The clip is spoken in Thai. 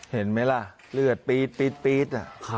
เห็นมั้ยล่ะเลือดปี๊ดอ่ะครับ